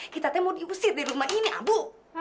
kita mau diusir dari rumah ini ambo